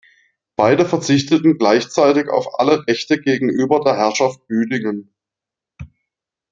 Beide verzichteten gleichzeitig auf alle Rechte gegenüber der Herrschaft Büdingen.